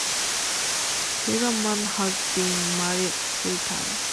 Tigerman has been married three times.